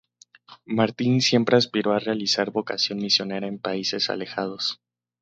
Martín siempre aspiró a realizar vocación misionera en países alejados.